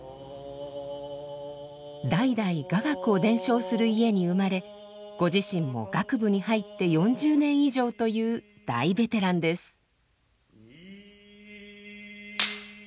代々雅楽を伝承する家に生まれ御自身も楽部に入って４０年以上という大ベテランです。